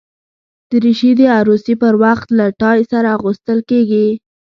دریشي د عروسي پر وخت له ټای سره اغوستل کېږي.